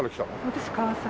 私川崎。